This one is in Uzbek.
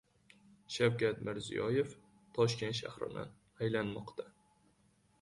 Shavkat Mirziyoyev Toshkent shahrini aylanmoqda.